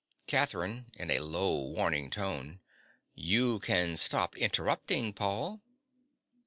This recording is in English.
CATHERINE. (in a low, warning tone). You can stop interrupting, Paul.